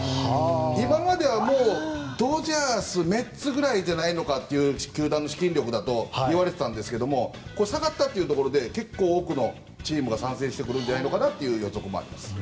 今まではドジャースメッツぐらいじゃないかという球団の資金力だといわれていたんですが下がったというところで結構多くのチームが参戦してくるんじゃないかという予測もあります。